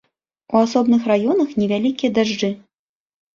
У асобных раёнах невялікія дажджы.